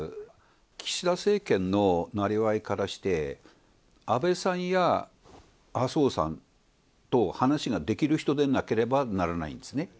岸田政権のなりわいからして、安倍さんや麻生さんと話ができる人でなければならないんですね。